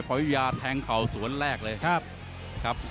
หรือว่าผู้สุดท้ายมีสิงคลอยวิทยาหมูสะพานใหม่